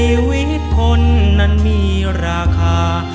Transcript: ชีวิตคนนั้นมีราคา